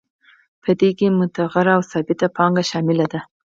په دې کې متغیره او ثابته پانګه شامله ده